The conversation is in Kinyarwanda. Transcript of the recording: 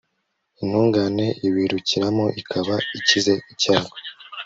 intungane iwirukiramo ikaba ikize icyago